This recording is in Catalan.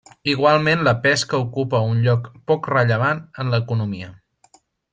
Igualment la pesca ocupa un lloc poc rellevant en l'economia.